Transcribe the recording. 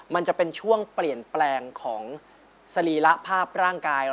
มันจะเป็นช่วงเปลี่ยนแปลงของสรีระภาพร่างกาย